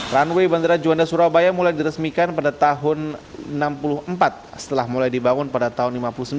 runway bandara juanda surabaya mulai diresmikan pada tahun seribu sembilan ratus enam puluh empat setelah mulai dibangun pada tahun seribu sembilan ratus lima puluh sembilan